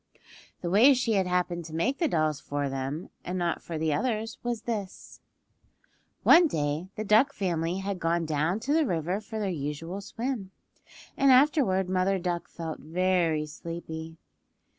The way she had happened to make the dolls for them and not for the others was this: One day the duck family had gone down to the river for their usual swim, and afterward Mother Duck felt very sleepy.